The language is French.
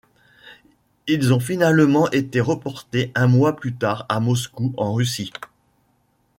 Ils ont finalement été reportés un mois plus tard à Moscou en Russie.